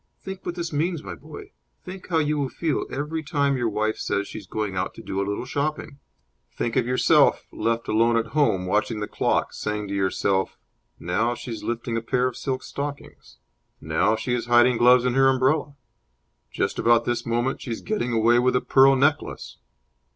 Think what this means, my boy. Think how you will feel every time your wife says she is going out to do a little shopping! Think of yourself, left alone at home, watching the clock, saying to yourself, 'Now she is lifting a pair of silk stockings!' 'Now she is hiding gloves in her umbrella!' 'Just about this moment she is getting away with a pearl necklace!'"